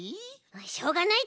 しょうがないち。